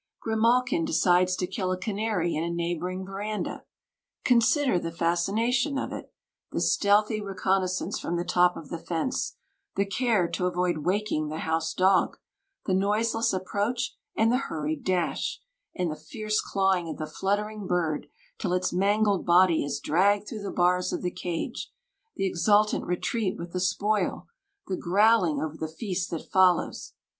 Grimalkin decides to kill a canary in a neighbouring verandah. Consider the fascination of it the stealthy reconnaissance from the top of the fence; the care to avoid waking the house dog, the noiseless approach and the hurried dash, and the fierce clawing at the fluttering bird till its mangled body is dragged through the bars of the cage; the exultant retreat with the spoil; the growling over the feast that follows.